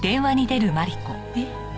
えっ？